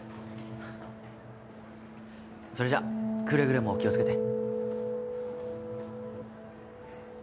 それじゃあくれぐれも気を付けて。